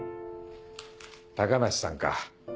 高梨さんか。